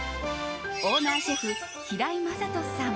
オーナーシェフ、平井正人さん。